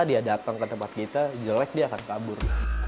dia datang ke tempat kita jelek dia akan kabur